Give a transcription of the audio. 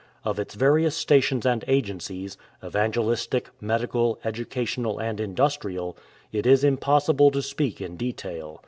Of its various stations and agencies — evangelistic, medical, educational, and industrial — it is impossible to speak in detail.